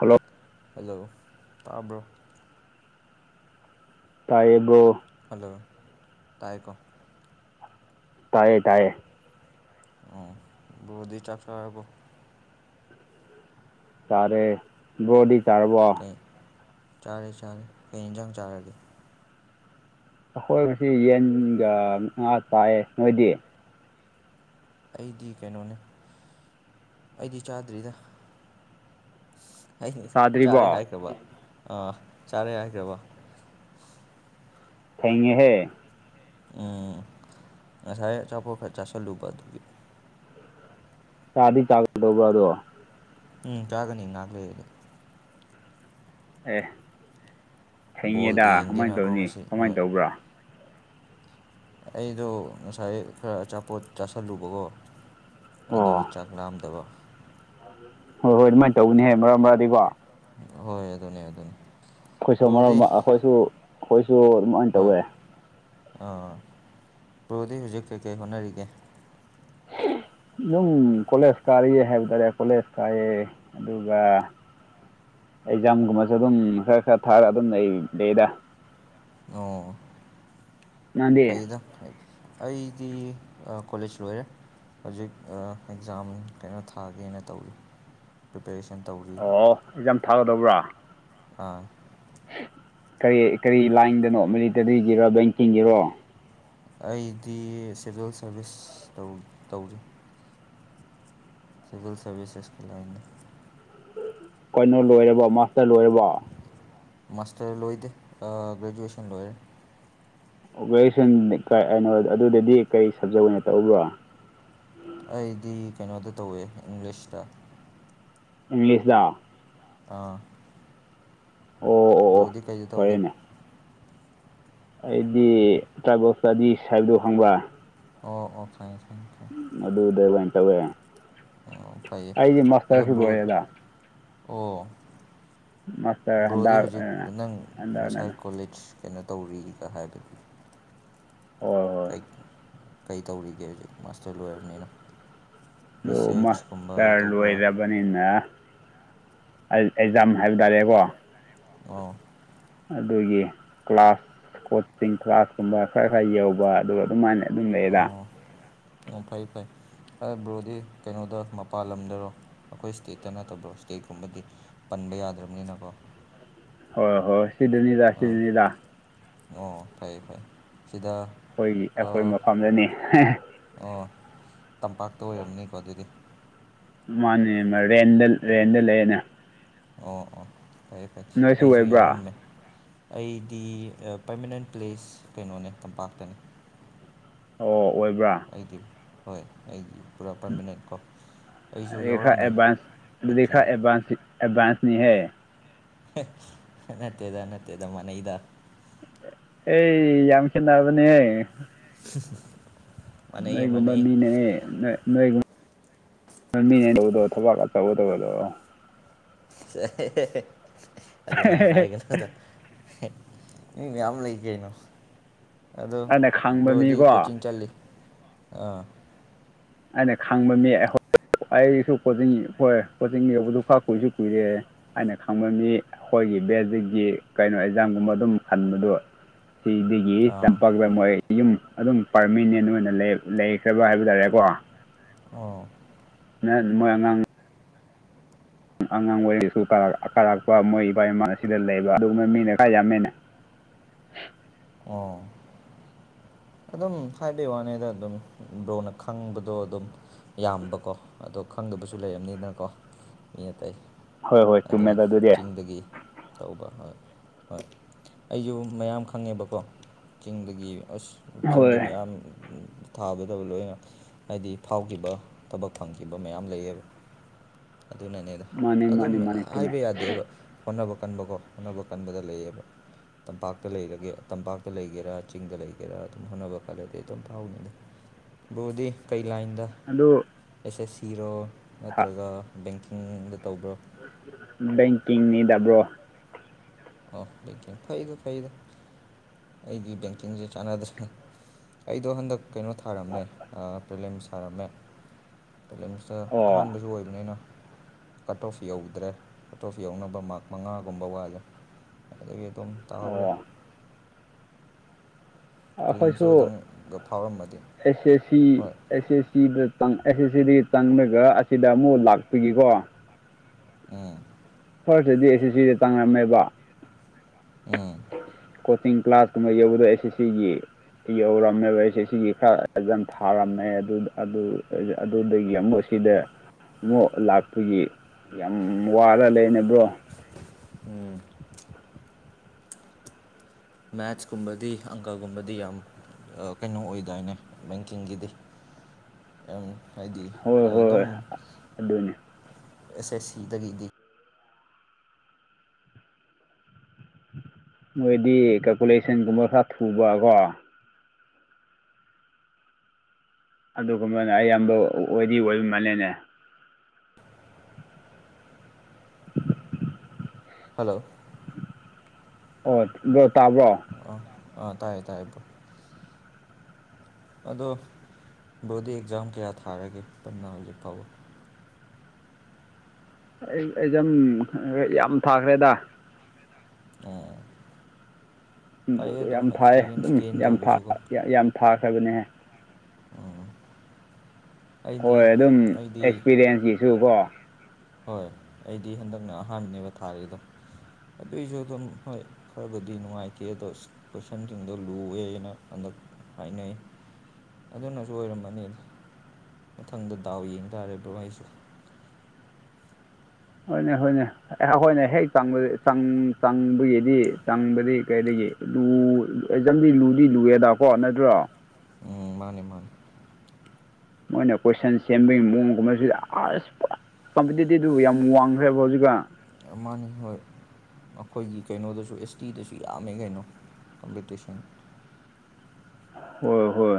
hello hello ꯇꯥꯕ꯭ꯔꯣ ꯇꯥꯏꯌꯦ bro hello ꯇꯥꯏꯀꯣ ꯇꯥꯏꯌꯦ ꯇꯥꯏꯌꯦ ꯑꯣ ꯕꯔꯣꯗꯤ ꯆꯥꯛ ꯆꯥꯔꯕꯣ ꯆꯥꯔꯦ ꯕꯔꯣꯗꯤ ꯆꯥꯔꯕꯣ ꯀꯩ ꯆꯥꯔꯦ ꯆꯥꯔꯦ ꯀꯩ ꯌꯦꯟꯖꯥꯡ ꯆꯥꯔꯒꯦ ꯑꯩꯈꯣꯏꯕꯨꯗꯤ ꯌꯦꯟꯒ ꯉꯥ ꯆꯥꯏꯌꯦ ꯅꯣꯏꯗꯤ ꯑꯩꯗꯤ ꯀꯩꯅꯣꯅꯦ ꯑꯩꯗꯤ ꯆꯥꯗ꯭ꯔꯤꯗ ꯍꯥꯏ ꯆꯥꯗ꯭ꯔꯤꯕꯣ ꯆꯥꯔꯦ ꯍꯥꯏꯈ꯭ꯔꯕꯣ ꯑꯥ ꯆꯥꯔꯦ ꯍꯥꯏꯈ꯭ꯔꯕꯣ ꯊꯦꯡꯉꯦꯍꯦ ꯎꯝ ꯉꯁꯥꯏ ꯑꯆꯥꯄꯣꯠ ꯈꯔ ꯆꯥꯁꯤꯜꯂꯨꯕ ꯑꯗꯨꯒꯤ ꯇꯥꯔꯗꯤ ꯆꯥꯒꯗꯧꯕ ꯑꯗꯣ ꯎꯝ ꯆꯥꯒꯅꯤ ꯉꯥꯛ ꯂꯩꯔꯗꯤ ꯑꯦ ꯊꯦꯡꯉꯦꯗ ꯕꯣꯜꯗꯤ ꯀꯃꯥꯏꯅ ꯌꯦꯡꯗꯦꯅꯀꯣ ꯇꯧꯅꯤ ꯉꯁꯤ ꯀꯃꯥꯏꯅ ꯍꯣꯏ ꯇꯧꯕ꯭ꯔꯣ ꯑꯩꯗꯣ ꯉꯁꯥꯏ ꯈꯔ ꯑꯆꯥꯄꯣꯠ ꯆꯥꯥꯁꯜꯂꯨꯕꯀꯣ ꯑꯣ ꯑꯗꯨꯒꯤ ꯆꯥꯛ ꯂꯥꯝꯗꯕ ꯍꯣꯏ ꯍꯣꯏ ꯑꯗꯨꯃꯥꯏꯅ ꯇꯧꯒꯅꯤ ꯍꯥꯏ ꯃꯔꯛ ꯃꯔꯛꯗꯤꯀꯣ ꯍꯣꯏ ꯑꯗꯨ ꯑꯗꯨꯅꯤ ꯑꯗꯨꯅꯤ ꯑꯩꯈꯣꯏꯁꯨ ꯑꯃꯔꯣꯝꯗ ꯑꯩꯈꯣꯏꯁꯨ ꯑꯩꯈꯣꯏꯁꯨ ꯑꯗꯨꯃꯥꯏꯅ ꯍꯣꯏ ꯇꯧꯋꯦ ꯑꯥ ꯕꯔꯣꯗꯤ ꯍꯧꯖꯤꯛ ꯀꯩꯀꯩ ꯍꯣꯠꯅꯔꯤꯒꯦ ꯑꯗꯨꯝ ꯀꯣꯂꯦꯖ ꯀꯥꯔꯤꯌꯦ ꯍꯥꯏꯕ ꯇꯔꯦ ꯀꯣꯂꯦꯖ ꯀꯥꯏꯑꯦ ꯑꯗꯨꯒ ꯑꯦꯛꯖꯥꯝꯒꯨꯝꯕꯁꯨ ꯑꯗꯨꯝ ꯈꯔ ꯈꯔ ꯊꯥꯔ ꯑꯗꯨꯝ ꯂꯩ ꯂꯩꯌꯦꯗ ꯑꯣ ꯅꯪꯗꯤ ꯐꯩꯗ ꯑꯩꯗꯤ ꯑ ꯀꯣꯂꯦꯖ ꯂꯣꯏꯔꯦ ꯍꯧꯖꯤꯛ ꯑ ꯑꯦꯛꯖꯥꯝ ꯀꯩꯅꯣ ꯊꯥꯒꯦꯅ ꯇꯧꯔꯤ ꯄ꯭ꯔꯤꯄꯦꯔꯦꯁꯟ ꯇꯧꯔꯤ ꯑꯣ ꯑꯦꯛꯖꯥꯝ ꯊꯥꯒꯗꯧꯕ꯭ꯔꯥ ꯑꯥ ꯀꯔꯤ ꯀꯔꯤ ꯂꯥꯏꯟꯗꯅꯣ ꯃꯤꯂꯤꯇꯔꯤꯒꯤꯔꯣ ꯕꯦꯡꯀꯤꯡꯒꯤꯔꯣ ꯑꯩꯗꯤ ꯁꯤꯕꯤꯜ ꯁꯥꯔꯚꯤꯁ ꯇꯧ ꯇꯧꯔꯤ ꯁꯤꯚꯜ ꯁꯔꯕꯤꯁꯦꯁꯀꯤ ꯂꯥꯏꯟ ꯗ ꯀꯩꯅꯣ ꯂꯣꯏꯔꯕ ꯃꯥꯁꯇꯔ ꯂꯣꯏꯔꯕ ꯃꯥꯥꯁꯇꯔ ꯂꯣꯏꯗꯦ ꯑ ꯒ꯭ꯔꯦꯖ꯭ꯋꯦꯁꯟ ꯂꯣꯏꯔꯦ ꯑꯣ ꯒ꯭ꯔꯦꯖ꯭ꯋꯦꯁꯟ [unintelligible] ꯑꯗꯨꯗꯗꯤ ꯀꯔꯤ ꯁꯞꯖꯦꯛ ꯑꯣꯏꯅ ꯇꯧꯕ꯭ꯔ ꯑꯩꯗꯤ ꯀꯩꯅꯣꯗ ꯇꯧꯋꯦ ꯏꯪꯂꯤꯁꯇ ꯏꯪꯂꯤꯁꯂꯥ ꯑꯥ ꯑꯣ ꯑꯣ ꯑꯣ ꯕ꯭ꯔꯣꯗꯤ ꯀꯩꯗ ꯇꯧꯒꯦ ꯐꯔꯦꯅꯦ ꯑꯩꯗꯤ ꯇ꯭ꯔꯥꯏꯕꯦꯜ ꯏꯁꯇꯗꯤꯁ ꯍꯥꯏꯕꯗꯨ ꯈꯪꯕ꯭ꯔ ꯑꯣ ꯑꯣ ꯈꯪꯉꯦ ꯈꯪꯉꯦ ꯈꯪꯉꯦ ꯑꯗꯨꯗ ꯑꯣꯏꯅ ꯇꯧꯋꯦ ꯑꯣ ꯐꯩꯌꯦ ꯑꯩꯗꯤ ꯑꯗꯣ ꯃꯥꯁꯇꯔꯁꯨ ꯕ꯭ꯔꯣ ꯂꯣꯏꯔꯦꯗ ꯑꯣ ꯃꯥꯁꯇꯔ ꯕ꯭ꯔꯣꯗꯤ ꯍꯟꯗꯛ ꯍꯨꯖꯤꯛ ꯅꯪ ꯉꯁꯥꯏ ꯍꯟꯗꯛꯅꯗ ꯀꯣꯂꯦꯖ ꯀꯩꯅꯣ ꯇꯧꯔꯤꯒ ꯍꯥꯏ [unintelligible] ꯍꯣꯏ ꯍꯣꯏ ꯀꯩ ꯀꯩ ꯇꯧꯔꯤꯒꯦ ꯍꯧꯖꯤꯛ ꯃꯥꯁꯇꯔ ꯂꯣꯏꯔꯝꯅꯤꯅ ꯔꯤꯆꯦꯁꯀꯨꯝꯕ ꯇꯧꯕ꯭ꯔ ꯕꯅꯤꯅ [unintelligible] ꯑꯦꯛꯖꯥꯝ ꯍꯥꯏꯕ ꯇꯥꯔꯦꯀꯣ ꯑꯣ ꯑꯗꯨꯒꯤ ꯀ꯭ꯂꯥꯁ ꯀꯣꯆꯤꯡ ꯀ꯭ꯂꯥꯁ ꯀꯨꯝꯕ ꯈꯔ ꯈꯔ ꯌꯧꯕ ꯑꯗꯨꯒ ꯑꯗꯨꯝꯃꯥꯏꯅ ꯑꯗꯨꯝ ꯂꯩꯗ ꯑꯣ ꯑꯣ ꯐꯩ ꯐꯩ [unintelligible] ꯕ꯭ꯔꯣꯗꯤ ꯀꯩꯅꯣꯗ ꯃꯄꯥꯟ ꯂꯝꯗꯔꯣ ꯑꯈꯣꯏ ꯁ꯭ꯇꯦꯠꯇ ꯅꯠꯇꯕ꯭ꯔꯣ ꯁ꯭ꯇꯦꯠꯀꯨꯝꯕꯗꯤ ꯄꯟꯕ ꯌꯥꯗ꯭ꯔꯞꯅꯤꯅꯀꯣ ꯍꯣꯏ ꯍꯣꯏ ꯁꯤꯗꯅꯤꯗ ꯑꯥ ꯁꯤꯗꯅꯤꯗ ꯑꯣ ꯐꯩ ꯐꯩ ꯁꯤꯗ ꯑꯩꯈꯣꯏꯒꯤ ꯑꯩꯈꯣꯏ ꯑꯣ ꯃꯐꯝꯗꯅꯦ ꯍꯦꯍꯦ ꯑꯣ ꯇꯝꯄꯥꯛꯇ ꯑꯣꯏꯔꯝꯅꯤꯀꯣ ꯑꯗꯨꯗꯤ ꯃꯥꯅꯦ [unintelligible] ꯔꯦꯟꯗ ꯔꯦꯟꯗ ꯂꯩꯌꯦꯅꯦ ꯑꯣ ꯑꯣ ꯐꯩꯌꯦ ꯐꯩꯌꯦ ꯅꯣꯏꯁꯨ ꯑꯩꯖꯨ ꯑꯣꯏꯕ꯭ꯔꯥ ꯌꯥꯎꯔꯝꯃꯦ ꯑꯩꯗꯤ [unintelligible] ꯄꯔꯃꯅꯦꯟ ꯄ꯭ꯂꯦꯁ ꯀꯩꯅꯣꯅꯦ ꯇꯝꯄꯥꯛꯇꯅꯦ ꯑꯣ ꯑꯣꯏꯕ꯭ꯔ ꯑꯩꯗꯤ ꯍꯣꯏ ꯑꯩꯗꯤ ꯄꯨꯔꯥ ꯄꯔꯃꯤꯅꯦꯟ ꯀꯣ ꯑꯩꯁꯨ ꯌꯥꯎꯔꯝꯃꯦ ꯀꯣꯆꯤꯡ [unintelligible] ꯑꯦꯠꯕꯥꯟꯁꯅꯤꯍꯦ ꯑꯦ ꯅꯠꯇꯦꯗ ꯅꯠꯇꯦꯗ ꯃꯥꯟꯅꯩꯗ ꯑꯦ ꯌꯥꯝ ꯈꯦꯠꯅꯕꯅꯤꯍꯦ [unintelligible] ꯃꯥꯟꯅꯩꯌꯦ ꯅꯣꯏꯒꯨꯝꯕ ꯃꯥꯟꯅꯩꯌꯦ ꯃꯤꯅꯦꯍꯦ ꯅꫭꯏ ꯅꯣꯏꯒꯨꯝ [unintelligible] ꯊꯕꯛ ꯑꯆꯧꯕ ꯇꯧꯕꯗꯣ [unintelligible] ꯑꯗꯨꯝꯃꯥꯏ ꯍꯥꯏꯒꯅꯨꯗ [unintelligible] ꯃꯤ ꯃꯌꯥꯝ ꯂꯩ ꯀꯩꯅꯣ ꯑꯗꯣ ꯑꯩꯅ ꯈꯪꯕ ꯕ꯭ꯔꫭꯗꯤ ꯃꯤꯀꯣ ꯀꯣꯆꯤꯡ ꯆꯠꯂꯤ ꯑꯥ ꯑꯩꯅ ꯈꯪꯕ ꯃꯤ [unintelligible] ꯑꯩꯁꯨ ꯀꯣꯆꯤꯡ ꯍꯣꯏ ꯀꯣꯆꯤꯡ ꯌꯧꯕꯗꯨ ꯈ ꯀꯨꯏꯁꯨ ꯀꯨꯏꯔꯦ ꯑꯩꯅ ꯈꯪꯕ ꯃꯤ ꯑꯈꯣꯏꯒꯤ ꯕꯦꯖꯤꯛꯀꯤ ꯀꯩꯅꯣ ꯑꯦꯛꯖꯥꯝꯒꯨꯝꯕ ꯑꯗꯨꯝ ꯈꯟꯕꯗꯨ [unintelligible] ꯒꯤ ꯑꯥ ꯇꯝꯄꯥꯛꯇ ꯃꯣꯏ ꯌꯨꯝ ꯑꯗꯨꯝ ꯄꯥꯔꯃꯤꯅꯦꯟ ꯑꯣꯏꯅ ꯂꯩ ꯂꯩꯈ꯭ꯔꯕ ꯍꯥꯏꯕ ꯇꯥꯔꯦꯀꯣ ꯑꯣ [unintelligible] ꯃꯣꯏ ꯑꯉꯥꯡ ꯑꯉꯥꯡ ꯑꯣꯏꯔꯁꯨ ꯀꯥꯔ ꯀꯥꯔꯛꯄ ꯃꯣꯏ ꯏꯄꯥ ꯏꯃꯥꯅ ꯑꯁꯤꯗ ꯂꯩꯕ ꯑꯗꯨꯒꯨꯝꯕ ꯃꯤꯅ ꯈꯥ ꯌꯥꯝꯃꯤꯅꯦ ꯑꯣ ꯑꯗꯨꯝ ꯍꯥꯏꯕꯩ ꯋꯥꯅꯤꯗ ꯑꯗꯨꯝ ꯕ꯭ꯔꯣꯅ ꯈꯪꯕꯗꯣ ꯑꯗꯨꯝ ꯏꯌꯥꯝꯕꯀꯣ ꯑꯗꯣ ꯈꯪꯗꯕꯁꯨ ꯂꯩꯔꯝꯅꯤꯅꯀꯣ ꯃꯤ ꯑꯇꯩ ꯍꯣꯏ ꯍꯣꯏ ꯑꯗꯨꯝ ꯆꯨꯝꯃꯦꯗ ꯑꯗꯨꯗꯤ ꯆꯤꯡꯗꯥꯒꯤ ꯇꯧꯕ ꯍꯣꯏ ꯍꯣꯏ ꯑꯩꯖꯨ ꯃꯌꯥꯝ ꯈꯪꯉꯦꯕꯀꯣ ꯆꯤꯡꯗꯥꯒꯤ ꯑꯁ ꯆꯤꯡꯗ ꯍꯣꯏ ꯃꯌꯥꯝ ꯊꯥꯒꯥꯗꯕ ꯂꯣꯏꯅ ꯍꯥꯏꯗꯤ ꯐꯥꯎꯒꯤꯕ ꯊꯕꯛ ꯐꯪꯈꯤꯕ ꯃꯌꯥꯝ ꯂꯩꯌꯦꯕ ꯑꯗꯨꯅꯅꯦꯗ ꯃꯥꯅꯤ ꯑꯗꯨꯝ ꯃꯥꯅꯤ ꯃꯥꯅꯤ ꯆꯨꯝꯃꯦ ꯍꯥꯏꯕ ꯌꯥꯗꯦꯕ ꯍꯣꯠꯅꯕ ꯀꯟꯕꯀꯣ ꯍꯣꯠꯅꯕ ꯀꯟꯕꯗ ꯂꯩꯌꯦꯕ ꯇꯝꯄꯥꯛꯇꯥ ꯂꯩꯔꯒꯦ ꯇꯝꯄꯥꯛꯇꯥ ꯂꯩꯒꯦꯔꯥ ꯆꯤꯡꯗ ꯂꯩ ꯒꯦꯔꯥ ꯑꯗꯨꯝ ꯍꯣꯠꯅꯕ ꯀꯜꯂꯗꯤ ꯑꯗꯨꯝ ꯐꯥꯎꯒꯅꯤꯗꯥ ꯕ꯭ꯔꯣꯗꯤ ꯀꯩ ꯂꯥꯏꯟꯗꯥ ꯑꯗꯨ ꯑꯦꯁ ꯑꯦꯁ ꯁꯤꯔꯣ ꯅꯠꯇ꯭ꯔꯥꯒ ꯕꯦꯡꯀꯤꯡꯗꯥ ꯇꯧꯕ꯭ꯔꯣ ꯕꯦꯡꯀꯤꯡꯅꯤꯗꯥ ꯕ꯭ꯔꯣ ꯑꯣ ꯕꯦꯡꯀꯤꯡ ꯐꯩ ꯑꯗꯣ ꯐꯩꯗꯣ ꯑꯩꯗꯤ ꯕꯦꯡꯀꯤꯡꯖꯦ ꯆꯥꯟꯅꯗ꯭ꯔꯦ ꯑꯩꯗꯣ ꯍꯟꯗꯛ ꯀꯩꯅꯣ ꯊꯥꯔꯝꯃꯦ ꯑꯥ ꯄ꯭ꯔꯤꯂꯤꯝꯁ ꯊꯥꯔꯝꯃꯦ [unintelligible] ꯁꯥ ꯑꯣ ꯑꯍꯥꯟꯕꯩꯁꯨ ꯑꯣꯏꯕꯅꯤꯅ ꯀꯠ ꯑꯣꯐ ꯌꯧꯗ꯭ꯔꯦ ꯀꯠ ꯑꯣꯐ ꯌꯧꯅꯕ ꯃꯥꯔꯛ ꯃꯉꯥꯒꯨꯝꯕ ꯋꯥꯠꯂꯦ ꯑꯗꯨꯒꯤ ꯑꯗꯨꯝ ꯇꯥꯍꯧꯔꯦ ꯑꯣ ꯑꯥ ꯑꯈꯣꯏꯁꯨ ꯄ꯭ꯔꯤꯂꯤꯝꯁꯁꯨ ꯈꯤꯇꯪꯒ ꯐꯥꯎꯔꯝꯃꯗꯤ ꯑꯦꯁ ꯑꯦꯁ ꯁꯤ ꯍꯣꯏ ꯑꯦꯁꯦꯁ ꯁꯤꯗ ꯇꯪ ꯑꯦꯁ ꯑꯦꯁ ꯁꯤꯗꯒꯤ ꯆꯪꯔꯒꯥ ꯑꯁꯤꯗ ꯑꯃꯨꯛ ꯂꯥꯛꯄꯤꯒꯤꯀꯣ ꯎꯝ ꯐꯔꯁ꯭ꯠꯇꯥꯗꯤ ꯑꯦꯁ ꯑꯦꯁ ꯁꯤꯗ ꯆꯪꯔꯝꯃꯦꯕ ꯎꯝ ꯀꯣꯆꯤꯡ ꯀ꯭ꯂꯥꯁ ꯀꯨꯝꯕ ꯌꯧꯕꯗꯣ ꯑꯦꯁ ꯑꯦꯁ ꯁꯤꯒꯤ ꯌꯧꯔꯝꯃꯦꯕ ꯑꯦꯁ ꯑꯦꯁ ꯁꯤꯒꯤ ꯈꯔ ꯑꯦꯛꯖꯥꯝ ꯊꯥꯔꯝꯃꯦ ꯑꯗꯨꯗ ꯑꯗꯨ ꯑꯗꯨꯗꯒꯤ ꯑꯃꯨꯛ ꯁꯤꯗꯥ ꯑꯃꯨꯛ ꯂꯥꯛꯄꯒꯤ ꯌꯥꯝ ꯋꯥꯔ ꯂꯩꯅꯦ ꯕ꯭ꯔꯣ ꯎꯝ ꯃꯦꯠꯁꯀꯨꯝꯕꯗꯤ ꯑꯪꯀꯥꯒꯨꯝꯕꯗꯤ ꯌꯥꯝ ꯑꯥ ꯀꯩꯅꯣ ꯑꯣꯏꯗꯥꯏꯅꯦ ꯕꯦꯡꯀꯤꯡꯒꯤꯗꯤ [inaudible] ꯌꯥꯝ ꯍꯥꯏꯗꯤ ꯍꯣꯏ ꯍꯣꯏ ꯑꯗꯨꯝ ꯑꯗꯨꯅꯤ ꯑꯦꯁ ꯑꯦꯁ ꯁꯤꯗꯥꯒꯤꯗꯤ ꯃꯣꯏꯗꯤ ꯀꯜꯀꯨꯂꯦꯁꯟꯒꯨꯝꯕ ꯈꯔ ꯊꯨꯕ ꯒꯣ ꯑꯗꯨꯒꯨꯝꯕꯅ ꯑꯌꯥꯝꯕ ꯑꯣꯏꯗꯤ ꯑꯣꯏꯕ ꯃꯥꯜꯂꯦꯅꯦ [inaudible] ꯍꯜꯂꯣ ꯑꯣ ꯕ꯭ꯔꯣ ꯇꯥꯕ꯭ꯔꯣ ꯑꯥ ꯑꯥ ꯑꯥ ꯇꯥꯏꯌꯦ ꯇꯥꯏꯌꯦ ꯕ꯭ꯔꯣ ꯑꯗꯣ ꯕ꯭ꯔꯣꯗꯤ ꯑꯦꯛꯖꯥꯝ ꯀꯌꯥ ꯊꯥꯔꯒꯦ ꯄꯨꯟꯅ ꯍꯧꯖꯤꯛ ꯐꯥꯎꯕ ꯑꯩ ꯑꯦꯛꯖꯥꯝ ꯍꯥ ꯌꯥꯝ ꯊꯥꯈ꯭ꯔꯦꯗ ꯑꯣ ꯎꯝ ꯐꯩꯌꯦ ꯌꯥꯝ ꯑꯗꯨꯝ ꯊꯥꯏꯌꯦ ꯑꯦꯛꯁꯄꯤꯔꯤꯌꯦꯟꯁ ꯑꯗꯨꯝ ꯒꯦꯟ ꯌꯥꯝ ꯊꯥ ꯇꯧꯕꯁꯨꯀꯣ ꯌꯥ ꯌꯥꯝ ꯊꯥꯈ꯭ꯔꯥꯕꯅꯦꯍꯦ ꯎꯝ ꯍꯣꯏ ꯑꯩꯗꯤ ꯑꯗꯨꯝ ꯑꯩꯗꯤ ꯑꯦꯛꯁꯄꯤꯔꯤꯌꯦꯟꯁꯀꯤꯁꯨ ꯒꯣ ꯍꯣꯏ ꯑꯩꯗꯤ ꯍꯟꯗꯛꯅ ꯑꯍꯥꯟꯕꯅꯦꯕ ꯊꯥꯔꯤꯗꯣ ꯑꯗꯨꯏꯁꯨ ꯑꯗꯨꯝ ꯍꯣꯏ ꯈꯔꯕꯨꯗꯤ ꯅꯨꯡꯉꯥꯏꯇꯦ ꯑꯗꯣ ꯀꯣꯏꯁꯟꯁꯤꯡꯗꯣ ꯂꯨꯋꯦꯅ ꯍꯟꯗꯛ ꯍꯥꯏꯅꯩ ꯑꯗꯨꯅꯖꯨ ꯑꯣꯏꯔꯝꯃꯅꯤꯅꯦ ꯃꯊꯪꯗ ꯗꯥꯎ ꯌꯦꯡ ꯇꯥ ꯕ꯭ꯔꯣ ꯑꯩꯁꯨ ꯍꯣꯏꯅꯦ ꯍꯣꯏꯅꯦ ꯑꯦ ꯑꯩꯈꯣꯏꯅ ꯍꯦꯛ ꯆꯪꯕ ꯆꯪ ꯆꯪꯕꯒꯤꯗꯤ ꯆꯪꯕꯗꯤ ꯀꯩꯗꯒꯤ ꯂꯨ ꯑꯦꯛꯖꯥꯝꯗꯤ ꯂꯨꯗꯤ ꯂꯨꯑꯦꯗꯀꯣ ꯅꯠꯇ꯭ꯔꯣ ꯎꯝ ꯃꯥꯅꯦ ꯃꯥꯅꯦ ꯃꯣꯏꯅ ꯀꯣꯏꯁꯟ ꯁꯦꯝꯕꯒꯤ ꯃꯑꯣꯡꯒꯨꯝꯕꯁꯤ ꯑꯁ ꯄꯨꯔꯥ ꯀꯝꯄꯤꯇꯤꯇꯤꯚꯗꯨ ꯌꯥꯝ ꯋꯥꯡꯈ꯭ꯔꯦꯕ ꯍꯧꯖꯤꯛꯀꯥꯟ ꯃꯥꯅꯦ ꯍꯣꯏ ꯑꯩꯈꯣꯏꯒꯤ ꯀꯩꯅꯣꯗꯨꯁꯨ ꯑꯦꯁ ꯇꯤꯗꯁꯨ ꯌꯥꯝꯃꯦ ꯀꯩꯅꯣ ꯀꯝꯄꯤꯇꯤꯁꯟ ꯍꯣꯏ ꯍꯣꯏ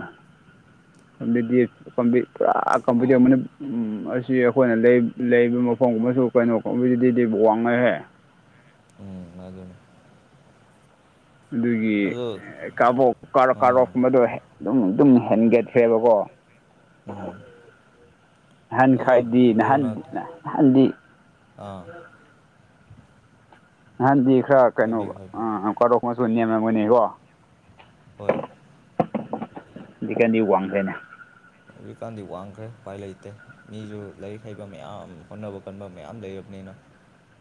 ꯍꯟꯗꯛꯇꯤ ꯀꯝꯄꯤ ꯄꯨꯔꯥ ꯀꯝꯄꯤꯇꯤꯞ ꯎꯝ ꯑꯁꯤ ꯑꯩꯈꯣꯏꯅ ꯂꯩ ꯂꯩꯕ ꯃꯐꯝꯒꯨꯝꯕꯁꯨ ꯀꯩꯅꯣ ꯀꯣꯟꯄꯦꯇꯦꯇꯤꯚ ꯋꯥꯡꯉꯦꯍꯦ ꯎꯝ ꯑꯗꯨꯅꯦ ꯑꯗꯨꯒꯤ ꯑꯗꯣ ꯀꯥꯕꯣꯞ ꯀꯥꯔꯣ ꯀꯥꯔꯣ ꯑꯥ ꯒꯨꯝꯕꯗꯣ ꯍꯦꯛ ꯑꯗꯨꯝ ꯑꯗꯨꯝ ꯍꯦꯟꯒꯠꯈ꯭ꯔꯦꯕꯀꯣ ꯎꯝ ꯑꯍꯟ ꯑꯗꯣ ꯈꯔꯗꯤ ꯕ꯭ꯔꯣꯅ ꯅꯍꯥꯟꯅ ꯅꯍꯥꯟꯗꯤ ꯑꯥ ꯑꯍꯥꯟꯗꯤ ꯈꯔ ꯀꯩꯅꯣ ꯍꯥꯏꯕꯤꯌꯨ ꯍꯥꯏꯕꯤꯌꯨ ꯑꯥ ꯀꯠꯑꯣꯐ ꯀꯨꯝꯕꯁꯨ ꯅꯦꯝꯃꯝꯒꯅꯤꯀꯣ ꯍꯣꯏ ꯍꯧꯖꯤꯛꯀꯟꯗꯤ ꯋꯥꯡꯈ꯭ꯔꯦꯅ ꯍꯧꯖꯤꯛꯀꯥꯟꯗꯤ ꯋꯥꯡꯈ꯭ꯔꯦ ꯎꯄꯥꯏ ꯂꯩꯇꯦ ꯃꯤꯖꯨ ꯂꯥꯏꯔꯤꯛ ꯍꯩꯕ ꯃꯌꯥꯝ ꯍꯣꯠꯅꯕ ꯀꯟꯕ ꯃꯌꯥꯝ ꯂꯩꯔꯕꯅꯤꯅ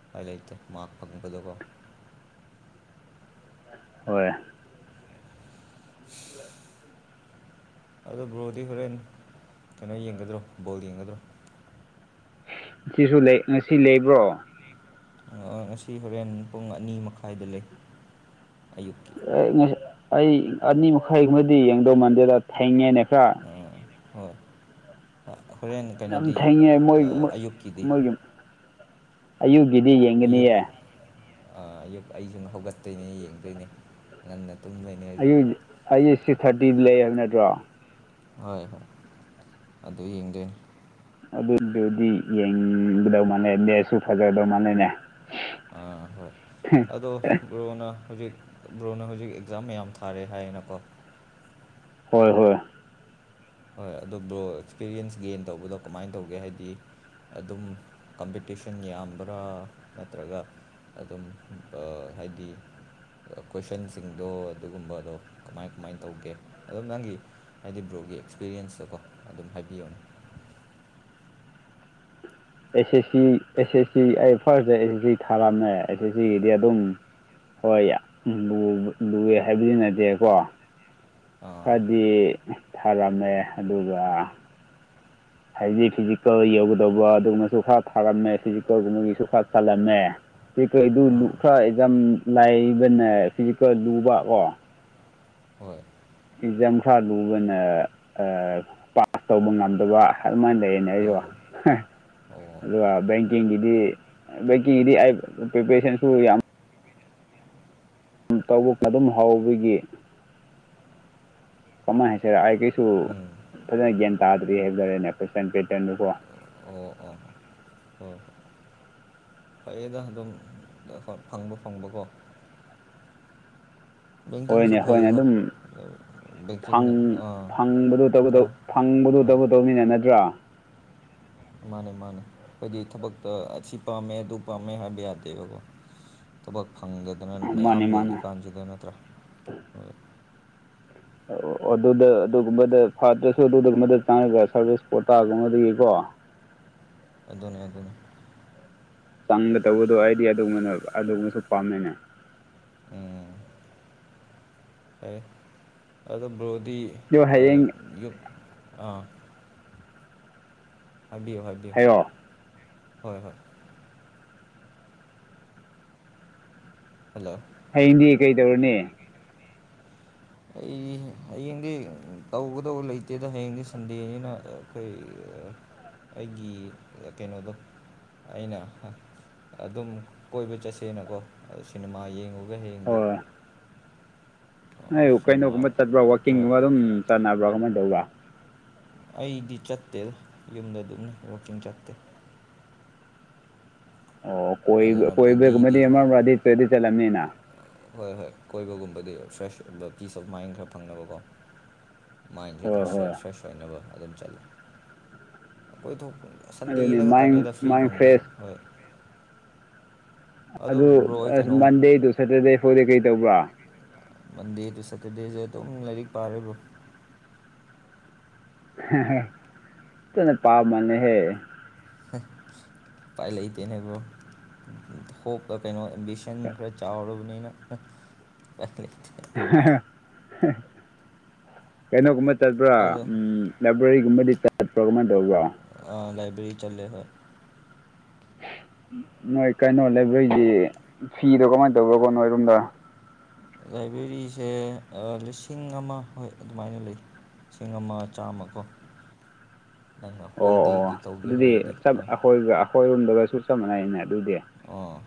ꯎꯄꯥꯏ ꯂꯩꯇꯦ ꯃꯔꯛ ꯄꯪꯕꯗꯀꯣ ꯍꯣꯏ ꯑꯗꯣ ꯕ꯭ꯔꯣꯗꯤ ꯍꯣꯔꯦꯟ ꯀꯩꯅꯣ ꯌꯦꯡꯒꯗ꯭ꯔꯣ ꯕꯣꯜ ꯌꯦꯡꯒꯗ꯭ꯔꯣ ꯁꯤꯁꯨ ꯂꯩ ꯉꯁꯤ ꯂꯩꯕ꯭ꯔꯣ ꯉꯁꯤ ꯍꯣꯔꯦꯟ ꯄꯨꯡ ꯑꯅꯤ ꯃꯈꯥꯏꯗ ꯂꯩ ꯑꯌꯨꯛꯀꯤ ꯑꯦ ꯉꯁꯤ ꯑꯩ ꯑꯅꯤ ꯃꯈꯥꯏ ꯒꯨꯝꯕꯗꯤ ꯌꯦꯡꯗꯧ ꯃꯥꯟꯗꯦꯗ ꯊꯦꯡꯉꯦꯅꯦ ꯈꯔ ꯎꯝ ꯍꯣꯏ ꯍꯣꯔꯦꯟ ꯌꯥꯝ ꯀꯩꯅꯣꯗꯤ ꯊꯦꯡꯉꯦ ꯃꯣꯏ ꯑꯥ ꯑꯌꯨꯛꯀꯤꯗꯤ ꯃꯣꯏꯒꯤ ꯑꯌꯨꯛꯀꯤꯗꯤ ꯌꯦꯡꯒꯅꯤꯌꯦ ꯑꯥ ꯑꯌꯨꯛ ꯑꯩꯖꯨ ꯍꯧꯒꯠꯇꯣꯏꯅꯦ ꯌꯦꯡꯗꯣꯏꯅꯦ ꯉꯟꯅ ꯇꯨꯝꯗꯣꯏꯅꯦ ꯑꯩꯖꯨ ꯑꯩꯖꯦ ꯁꯤꯛꯁ ꯊꯥꯔꯇꯤꯗ ꯂꯩꯌꯦ ꯍꯥꯏꯕ ꯅꯠꯇ꯭ꯔꯣ ꯍꯣꯏ ꯍꯣꯏ ꯑꯗꯥ ꯌꯦꯡꯗꯣꯏꯅꯦ ꯑꯗꯨꯗꯨꯗꯤ ꯌꯦꯡꯒꯗꯧꯕ ꯃꯥꯜꯂꯦ ꯅꯦꯠꯁꯨ ꯐꯁꯖꯗꯧ ꯃꯥꯜꯂꯦꯅꯦ ꯑꯥ ꯍꯣꯏ ꯑꯗꯣ ꯕ꯭ꯔꯣꯅ ꯍꯧꯖꯤꯛ ꯕ꯭ꯔꯣꯅ ꯍꯧꯖꯤꯛ ꯑꯦꯛꯖꯥꯝ ꯃꯌꯥꯝ ꯊꯥꯔꯦ ꯍꯥꯏꯌꯦꯅꯀꯣ ꯍꯣꯏ ꯍꯣꯏ ꯍꯣꯏ ꯑꯗꯣ ꯕ꯭ꯔꯣ ꯑꯦꯛꯁꯄꯤꯔꯤꯌꯦꯟꯁ ꯒꯦꯟ ꯇꯧꯕꯗꯣ ꯀꯃꯥꯏꯅ ꯇꯧꯒꯦ ꯍꯥꯏꯗꯤ ꯑꯗꯨꯝ ꯀꯝꯄꯤꯇꯤꯁꯟ ꯌꯥꯝꯕ꯭ꯔꯥ ꯅꯠꯇ꯭ꯔꯒ ꯑꯗꯨꯝ ꯑꯥ ꯍꯥꯏꯗꯤ ꯀꯣꯏꯁꯟꯁꯤꯡꯗꯣ ꯑꯗꯨꯒꯨꯝꯕꯗꯣ ꯀꯃꯥꯏ ꯀꯃꯥꯏꯅ ꯇꯧꯒꯦ ꯑꯗꯨꯝ ꯅꯪꯒꯤ ꯍꯥꯏꯗꯤ ꯕ꯭ꯔꯣꯒꯤ ꯑꯦꯛꯁꯄꯤꯔꯤꯌꯦꯟꯁꯇꯀꯣ ꯑꯗꯨꯝ ꯍꯥꯏꯕꯤꯌꯣꯅꯦ ꯑꯦꯁ S C S S C ꯑꯩ ꯐꯥ꯭ꯔꯁꯇ ꯑꯦꯁ ꯑꯦꯁ ꯁꯤ ꯊꯥꯔꯝꯃꯦ ꯑꯦꯁ ꯑꯦꯁ ꯁꯤ ꯒꯤꯗꯤ ꯑꯗꯨꯝ ꯍꯣꯏ ꯌꯥꯝ ꯂꯨ ꯂꯨꯌꯦ ꯍꯥꯏꯕꯗꯤ ꯅꯠꯇꯦꯀꯣ ꯑꯥ ꯈꯔꯗꯤ ꯊꯥꯔꯝꯃꯦ ꯑꯗꯨꯒ ꯍꯥꯏꯗꯤ ꯐꯤꯖꯤꯀꯦꯜ ꯌꯧꯒꯗꯧꯕ ꯑꯗꯨꯒꯨꯝꯕꯁꯨ ꯈꯔ ꯊꯥꯔꯝꯃꯦ ꯐꯤꯖꯤꯀꯦꯜꯒꯨꯝꯕꯒꯤꯁꯨ ꯈꯔ ꯆꯜꯂꯝꯃꯦ ꯐꯤꯖꯤꯀꯦꯜ ꯗꯨ ꯂꯨ ꯑꯥ ꯈꯔ ꯑꯦꯛꯖꯝ ꯂꯥꯏꯕꯅꯦ ꯐꯤꯖꯤꯀꯦꯜ ꯂꯨꯕ ꯀꯣ ꯍꯣꯏ ꯑꯦꯛꯖꯥꯝ ꯈꯔ ꯂꯨꯕꯅ ꯑ ꯄꯥꯁ ꯇꯧꯕ ꯉꯝꯗꯕ ꯑꯗꯨꯃꯥꯏꯅ ꯂꯩꯌꯦꯅꯦ ꯑꯩꯖꯨ ꯑꯥ ꯍꯦ ꯑꯣ ꯑꯗꯨꯒ ꯕꯦꯡ ꯕꯦꯡꯒꯤꯗꯤ ꯕꯦꯡꯀꯤꯡꯒꯤꯗꯤ ꯑꯩ ꯄ꯭ꯔꯤꯄ꯭ꯔꯦꯁꯟꯁꯨ ꯌꯥꯝ ꯎꯝ ꯇꯧꯕ ꯑꯗꯨꯝ ꯍꯧꯕꯒꯤ ꯀꯃꯥꯏ ꯍꯥꯏꯁꯤꯔ ꯑꯩ ꯀꯩꯁꯨ ꯎꯝ ꯐꯖꯅ ꯒ꯭ꯌꯥꯟ ꯇꯥꯗ꯭ꯔꯤ ꯍꯥꯏꯇꯥꯔꯦꯅꯦ ꯀ꯭ꯋꯦꯁꯟ ꯄꯦꯇ꯭ꯔꯟꯗꯨꯀꯣ ꯑꯣ ꯑꯣ ꯍꯣꯏ ꯐꯩꯌꯦꯗ ꯑꯗꯨꯝ ꯑ ꯐꯪꯕ ꯐꯪꯕꯀꯣ ꯕꯦꯡꯀꯤꯡꯁꯨ ꯍꯣꯏꯅꯦ ꯍꯣꯏꯅꯦ ꯐꯩꯗ ꯑꯗꯨꯝ ꯐꯪ ꯕꯦꯡꯀꯤꯡꯅ ꯑꯥ ꯐꯪꯕꯗꯨ ꯇꯧꯒꯗꯧ ꯈꯔ ꯐꯪꯕꯗꯨ ꯍꯣꯏ ꯇꯧꯒꯇꯧꯅꯤꯅꯦ ꯅꯠꯇ꯭ꯔꯥ ꯃꯥꯅꯦ ꯃꯥꯅꯦ ꯍꯥꯏꯗꯤ ꯊꯕꯛꯇ ꯑꯁꯤ ꯄꯥꯝꯃꯦ ꯑꯗꯨ ꯄꯥꯝꯃꯦ ꯍꯥꯏꯕ ꯌꯥꯗꯦꯕꯀꯣ ꯊꯕꯛ ꯐꯪꯗꯗꯅ ꯃꯌꯥꯝ ꯃꯥꯅꯤ ꯂꯩꯔꯤ ꯃꯥꯅꯤ ꯀꯥꯟꯖꯤꯗ ꯅꯠꯇ꯭ꯔꯥ ꯍꯣꯏ ꯑꯣ ꯑꯗꯨꯗ ꯑꯗꯨꯒꯨꯝꯕꯗ ꯐꯠꯇ꯭ꯔꯁꯨ ꯑꯗꯨꯒꯨꯝꯕꯗ ꯆꯪꯉꯒ ꯁꯥꯔꯚꯤꯁ ꯀꯣꯇꯥ ꯒꯨꯝꯕꯗꯒꯤꯀꯣ ꯑꯗꯨꯅꯦ ꯑꯗꯨꯅꯦ ꯆꯪꯒꯗꯧꯕꯗꯣ ꯑꯩꯗꯤ ꯑꯗꯨꯒꯨꯝꯕꯅ ꯑꯗꯨꯒꯨꯝꯕꯁꯨ ꯄꯥꯝꯃꯦꯅꯦ ꯎꯝ ꯐꯩꯌꯦ ꯑꯗꯣ ꯕ꯭ꯔꯣꯗꯤ ꯑꯗꯣ ꯑ ꯍꯌꯦꯡ ꯌꯨꯝ ꯑꯥ ꯍꯥꯏꯕꯤꯌꯨ ꯍꯥꯏꯕꯤꯌꯨ ꯍꯥꯏꯌꯣ ꯍꯣꯏ ꯍꯣꯏ ꯍꯜꯂꯣ ꯍꯌꯦꯡꯗꯤ ꯀꯩꯗꯧꯔꯅꯤ ꯑꯩ ꯍꯌꯦꯡꯗꯤ ꯇꯧꯒꯗꯧꯕ ꯂꯩꯇꯦꯗ ꯍꯌꯦꯡꯗꯤ ꯁꯟꯗꯦꯅꯤꯅ ꯀꯩ ꯑꯩꯒꯤ ꯀꯩꯅꯣꯗꯣ ꯑꯩꯅ ꯑꯗꯨꯝ ꯀꯣꯏꯕ ꯆꯠꯁꯦꯅꯀꯣ ꯁꯤꯅꯦꯃꯥ ꯌꯦꯡꯉꯨꯒꯦ ꯍꯌꯦꯡꯗꯤ ꯅꯣꯢ ꯁꯤꯅꯦꯃꯥ ꯀꯩꯅꯣꯒꯨꯝꯕ ꯆꯠꯄ꯭ꯔꯥ ꯈꯔ ꯋꯥꯛꯀꯤꯡꯒꯨꯝꯕ ꯑꯗꯨꯝ ꯆꯥꯟꯅꯕ꯭ꯔꯥ ꯀꯃꯥꯏꯅ ꯇꯧꯕ꯭ꯔꯥ ꯑꯩꯗꯤ ꯆꯠꯇꯦꯗ ꯌꯨꯝꯗ ꯑꯗꯨꯝ ꯋꯥꯛꯀꯤꯡ ꯆꯠꯇꯦ ꯑꯣ ꯀꯣꯏ ꯑꯗꯨꯅ ꯀꯣꯏꯕꯒꯨꯝꯕꯗꯤ ꯕꯣꯗꯤꯗꯤ ꯑꯃꯗꯤ ꯆꯠꯂꯝꯅꯤꯅ ꯍꯣꯏ ꯍꯣꯏ ꯀꯣꯏꯕꯒꯨꯝꯕꯗꯤ ꯐ꯭ꯔꯦꯁꯨꯝꯕ ꯄꯤꯁ ꯑꯣꯐ ꯃꯥꯏꯟ ꯈꯔ ꯐꯪꯅꯕꯀꯣ ꯃꯥꯏꯟꯁꯦ ꯍꯣꯏ ꯈꯔ ꯍꯣꯏ ꯐꯦꯁ ꯐ꯭ꯔꯦꯁ ꯑꯣꯏꯅꯕ ꯑꯗꯨꯝ ꯆꯠꯂꯦ ꯀꯣꯏ ꯊꯣꯛꯄ ꯑꯗꯨꯅꯤ ꯁꯟꯗꯦꯗ ꯃꯥꯏꯟ ꯈꯛꯇꯅꯦꯗ ꯐ꯭ꯔꯤ ꯃꯥꯏꯟ ꯐꯪꯕꯁꯨ ꯐ꯭ꯔꯦꯁ ꯍꯣꯏ ꯑꯗꯨ ꯑꯗꯣ ꯕ꯭ꯔꯣ ꯑꯩ ꯑ ꯀꯩꯅꯣ ꯃꯟꯗꯦꯗꯨ ꯁꯦꯇꯔꯗꯦ ꯐꯥꯎꯗꯤ ꯀꯩ ꯇꯧꯕ꯭ꯔꯥ ꯃꯟꯗꯦ ꯇꯨ ꯁꯦꯇꯔꯗꯦꯁꯦ ꯑꯗꯨꯝ ꯂꯥꯏꯔꯤꯛ ꯄꯥꯔꯤꯕ꯭ꯔꯣ ꯀꯟꯅ ꯄꯥ ꯃꯟꯂꯦ ꯍꯦ ꯎꯄꯥꯏ ꯂꯩꯇꯦꯅꯦ ꯕ꯭ꯔꯣ ꯍꯣꯞ ꯀꯩꯅꯣ ꯑꯦꯝꯕꯤꯁꯟ ꯈꯔ ꯆꯥꯎꯔꯕꯅꯤꯅ [unintelligible] ꯀꯩꯅꯣꯒꯨꯝꯕ ꯆꯠꯄ꯭ꯔꯥ ꯑꯗꯣ ꯎꯝ ꯂꯥꯏꯕ꯭ꯔꯤꯒꯨꯝꯕꯗꯤ ꯆꯠꯄ꯭ꯔꯣ ꯀꯃꯥꯏꯟ ꯇꯧꯕ꯭ꯔꯣ ꯑ ꯂꯥꯏꯕꯦꯔꯤ ꯆꯠꯂꯦ ꯍꯣꯏ ꯅꯣꯏ ꯀꯩꯅꯣ ꯂꯩꯕ꯭ꯔꯦꯔꯤꯗꯤ ꯐꯤꯗꯣ ꯀꯃꯥꯏꯅ ꯇꯧꯕ꯭ꯔꯥ ꯀꯣ ꯅꯣꯏꯔꯣꯝꯗ ꯂꯥꯏꯕꯦꯔꯤꯁꯦ ꯂꯤꯁꯤꯡ ꯑꯃ ꯍꯣꯏ ꯑꯗꯨꯃꯥꯏꯅ ꯂꯩ ꯂꯤꯁꯤꯡ ꯑꯃ ꯆꯥꯝꯃꯀꯣ ꯑꯣ ꯑꯣ ꯇꯧꯒꯦ ꯑꯗꯨꯗꯤ ꯍꯥꯏꯔꯗꯤ ꯍꯣꯏ ꯑꯩꯈꯣꯏꯒ ꯑꯩꯈꯣꯏꯔꯣꯝꯗꯒꯁꯨ ꯆꯞ ꯃꯥꯟꯅꯩꯅꯦ ꯑꯗꯨꯗꯤ ꯑꯣ